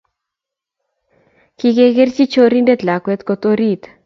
Kikerchi chorindet lakwet kot orit